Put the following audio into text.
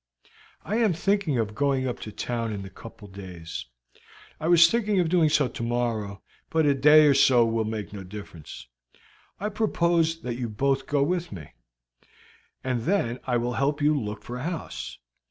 I am thinking of going up to town in a couple of days; I was thinking of doing so tomorrow, but a day or so will make no difference. I propose that you both go with me, and that I then help you look for a house.